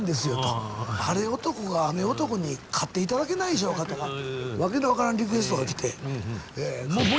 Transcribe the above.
「晴れ男が雨男に勝って頂けないでしょうか」とか訳の分からんリクエストが来て。